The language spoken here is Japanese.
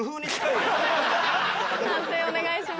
判定お願いします。